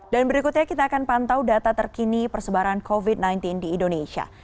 dan berikutnya kita akan pantau data terkini persebaran covid sembilan belas di indonesia